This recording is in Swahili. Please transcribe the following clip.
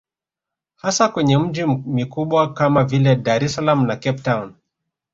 Hasa kwenye miji mikubwa kama vile Dar es salaam na Cape town